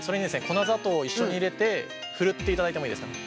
粉砂糖を一緒に入れてふるっていただいてもいいですかね。